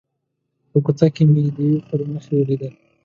په کوڅه کې مې یوې پري مخې ولیده.